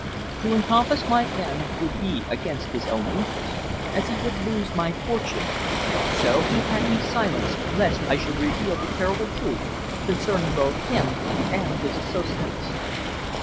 To encompass my end would be against his own interests, as he would lose my fortune, so he had silenced me lest I should reveal the terrible truth concerning both him and his associates.